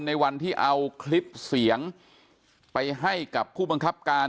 ในวันที่เอาคลิปเสียงไปให้กับผู้บังคับการ